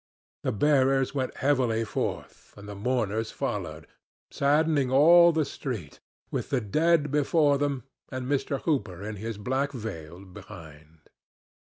The bearers went heavily forth and the mourners followed, saddening all the street, with the dead before them and Mr. Hooper in his black veil behind.